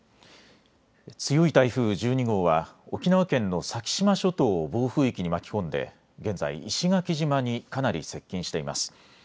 強い台風１２号は沖縄県の先島諸島を暴風域に巻き込んで現在、石垣島にかなり接近しています。